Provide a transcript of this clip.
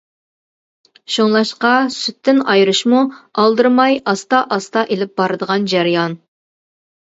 شۇڭلاشقا سۈتتىن ئايرىشمۇ ئالدىرىماي ئاستا-ئاستا ئېلىپ بارىدىغان جەريان.